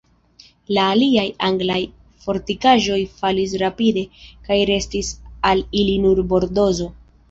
La aliaj anglaj fortikaĵoj falis rapide, kaj restis al ili nur Bordozo.